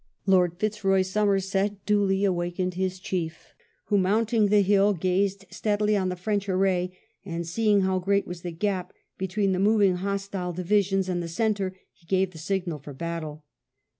Lord Fitzroy Somerset duly awakened his Chief, who, mounting the hill, gazed steadily on the French array, and seeing how great was the gap be tween the moving hostile divisions and the centre, he gave the signal for battle.